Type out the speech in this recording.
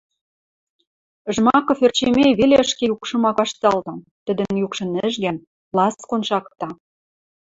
Жмаков Ӧрчемей веле ӹшке юкшым ак вашталты, тӹдӹн юкшы нӹжгӓн, ласкон шакта.